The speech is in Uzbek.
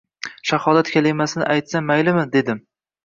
Shahodat kalimasini aytsam maylimi, dedim